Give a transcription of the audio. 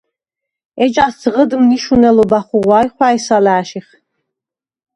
ეჯას ძღჷდ მნიშუ̂ნელობა ხუღუ̂ა ი ხუ̂ა̈ჲს ალა̄̈შიხ.